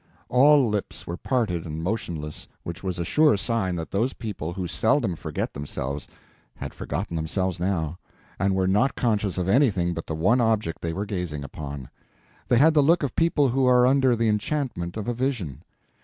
All lips were parted and motionless, which was a sure sign that those people, who seldom forget themselves, had forgotten themselves now, and were not conscious of anything but the one object they were gazing upon. They had the look of people who are under the enchantment of a vision.